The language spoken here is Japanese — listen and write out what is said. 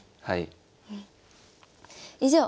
はい。